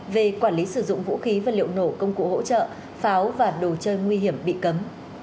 về quản lý sử dụng vũ khí và liệu nổ công cụ hỗ trợ pháo và đồ chơi nguy hiểm bị cấm